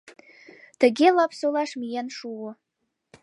Тыге Лапсолаш миен шуо.